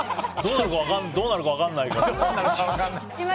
どうなるか分からないから。